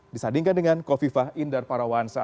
disandingkan dengan kofifah indar parawansa